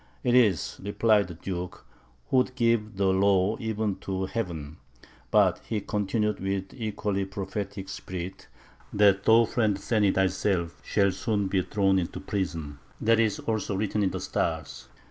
"IT IS," replied the Duke, who would give the law even to heaven. "But," he continued with equally prophetic spirit, "that thou friend Seni thyself shall soon be thrown into prison, that also is written in the stars."